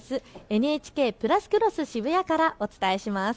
ＮＨＫプラスクロスＳＨＩＢＵＹＡからお伝えします。